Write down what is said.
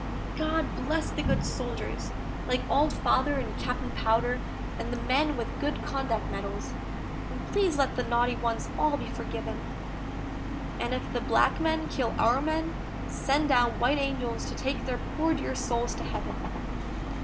GOD bless the good soldiers, like Old Father, and Captain Powder, and the men with good conduct medals; and please let the naughty ones all be forgiven; And if the black men kill our men, send down white angels to take their poor dear souls to Heaven!